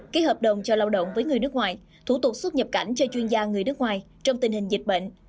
ký hợp đồng cho lao động với người nước ngoài thủ tục xuất nhập cảnh cho chuyên gia người nước ngoài trong tình hình dịch bệnh